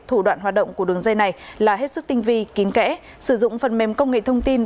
thủ đoạn hoạt động của đường dây này là hết sức tinh vi kín kẽ sử dụng phần mềm công nghệ thông tin